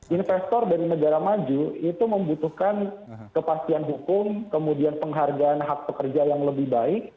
investor dari negara maju itu membutuhkan kepastian hukum kemudian penghargaan hak pekerja yang lebih baik